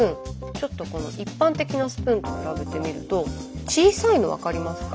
ちょっとこの一般的なスプーンと比べてみると小さいの分かりますか？